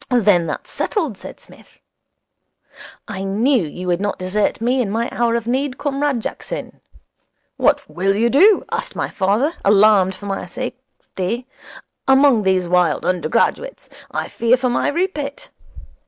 'Then that's settled,' said Psmith. 'I knew you would not desert me in my hour of need, Comrade Jackson. "What will you do," asked my father, alarmed for my safety, "among these wild undergraduates? I fear for my Rupert."